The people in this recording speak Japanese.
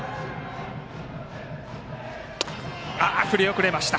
振り遅れました。